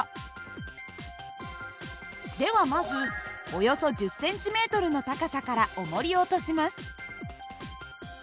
ではまずおよそ１０ｃｍの高さからおもりを落とします。